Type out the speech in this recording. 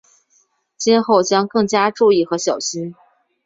今后将更加注意和小心。